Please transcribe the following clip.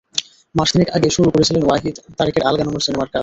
মাস তিনেক আগে শুরু করেছিলেন ওয়াহিদ তারেকের আলগা নোঙর সিনেমার কাজ।